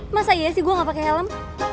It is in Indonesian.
masa iya sih gue gak pakai helm